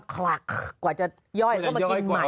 คลักกว่าจะย่อยก็มากินใหม่